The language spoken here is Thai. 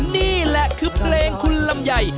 นี่แหละคือเพลงคุณลำไย